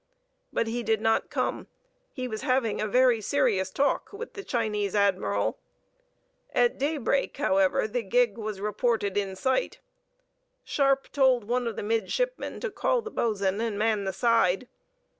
But he did not come: he was having a very serious talk with the Chinese admiral; at daybreak, however, the gig was reported in sight: Sharpe told one of the midshipmen to call the boatswain and man the side.